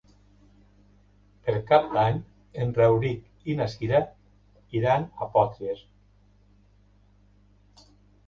Per Cap d'Any en Rauric i na Cira iran a Potries.